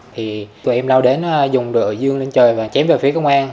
thì tụi em lao đến dùng đồ dương lên trời và chém về phía công an